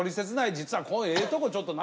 実はこうええとこちょっとない？